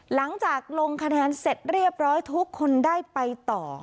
หลังจากลงคะแนนเสร็จเรียบร้อยทุกคนได้ไปต่อ